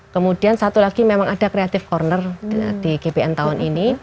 kemudian satu lagi memang ada creative corner di gpn tahun ini